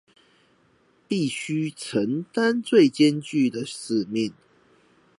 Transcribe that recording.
必須承擔的最艱鉅使命